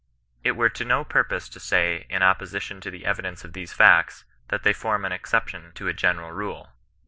" It were to no purpose to say, in opposition to tho evi dence of these facts, that they form an exception to a general rule.